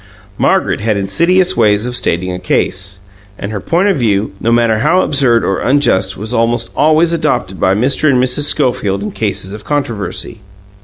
Margaret had insidious ways of stating a case; and her point of view, no matter how absurd or unjust, was almost always adopted by Mr. and Mrs. Schofield in cases of controversy.